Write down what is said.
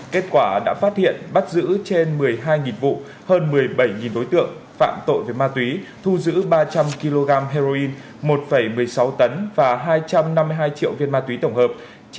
kết quả đã phát hiện bắt giữ trên một mươi hai vụ hơn một mươi bảy đối tượng phạm tội về ma túy thu giữ ba trăm linh kg heroin một một mươi sáu tấn và hai trăm năm mươi hai triệu viên ma túy tổng hợp